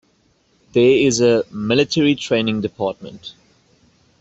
There is a "military training department".